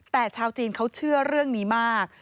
แต่ชาวจีนเขาเชื่อเรื่องนี้มาก